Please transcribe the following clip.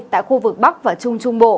tại khu vực bắc và trung trung bộ